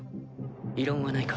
異論はないか？